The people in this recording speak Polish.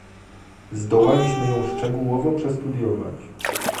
Zdołaliśmy ją szczegółowo przestudiować